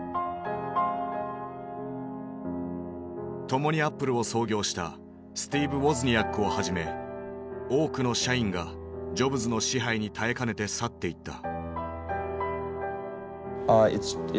共にアップルを創業したスティーブ・ウォズニアックをはじめ多くの社員がジョブズの支配に耐えかねて去っていった。